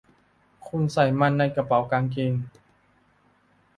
คุณใส่มันในกระเป๋ากางเกง